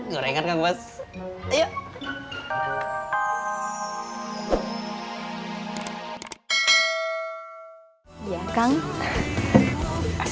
gue rekan kang bos